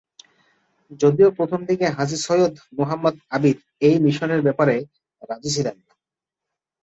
যদিও প্রথমদিকে হাজী সৈয়দ মোহাম্মদ আবিদ এই মিশনের ব্যাপারে রাজি ছিলেন না।